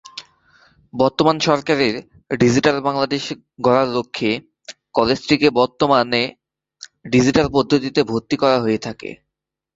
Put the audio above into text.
বর্তমান সরকারের ডিজিটাল বাংলাদেশ গড়ার লক্ষে কলেজটিতে বর্তমানে ডিজিটাল পদ্ধতিতে ভর্তি করা হয়ে থাকে।